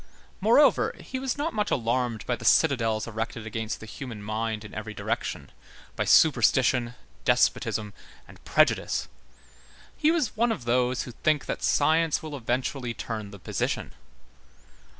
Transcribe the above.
Moreover, he was not much alarmed by the citadels erected against the human mind in every direction, by superstition, despotism, and prejudice. He was one of those who think that science will eventually turn the position.